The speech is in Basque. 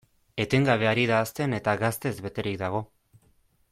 Etengabe ari da hazten, eta gaztez beterik dago.